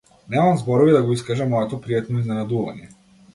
Немам зборови да го искажам моето пријатно изненадување.